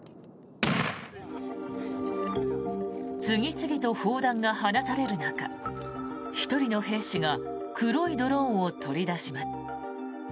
次々と砲弾が放たれる中１人の兵士が黒いドローンを取り出します。